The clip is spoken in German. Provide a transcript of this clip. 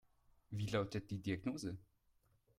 Wie lautet die Diagnose?